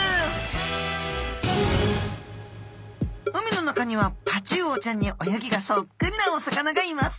海の中にはタチウオちゃんに泳ぎがそっくりなお魚がいます。